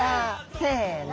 せの！